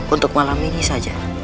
untuk malam ini saja